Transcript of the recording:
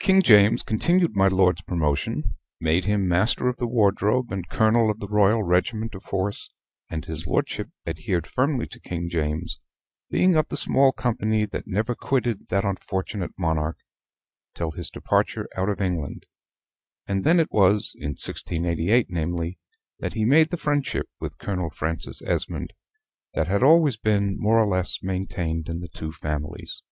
King James continued my lord's promotion made him Master of the Wardrobe and Colonel of the Royal Regiment of Horse; and his lordship adhered firmly to King James, being of the small company that never quitted that unfortunate monarch till his departure out of England; and then it was, in 1688 namely, that he made the friendship with Colonel Francis Esmond, that had always been, more or less, maintained in the two families.